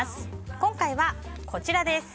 今回は、こちらです。